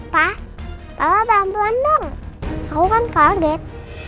pa papa bantuan dong aku kan kaget